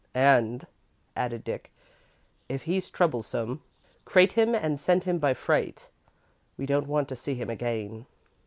"And," added Dick, "if he's troublesome, crate him and send him by freight. We don't want to see him again."